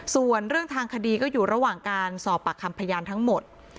ส่วนเรื่องทางคดีก็อยู่ระหว่างการสอบปากคำพยานทั้งหมด